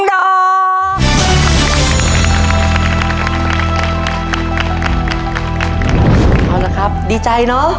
ดีใจเนอะดีจ้ะ